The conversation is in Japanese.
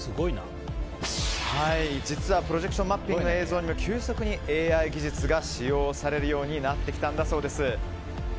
実はプロジェクションマッピングの映像には急速に、ＡＩ技術が使用されるようになってきたんだそうです。